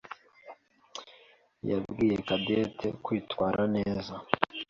yabwiye Cadette kwitwara neza.